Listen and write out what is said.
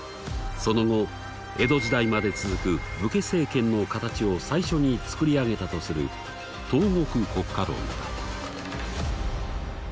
その後江戸時代まで続く武家政権のかたちを最初につくり上げたとする「東国国家論」だ。